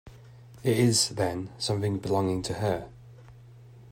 It is, then, something belonging to her.